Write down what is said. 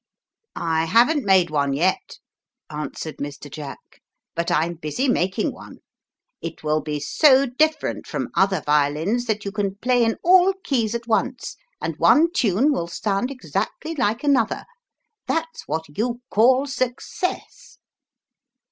"I haven't made one yet," answered Mr. Jack, "but I'm busy making one; it will be so different from other violins that you can play in all keys at once, and one tune will sound exactly like another. That's what you call success."